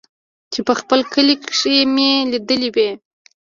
چې په خپل کلي کښې مې ليدلې وې.